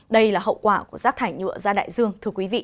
đây là hậu quả của rác thải nhựa ra đại dương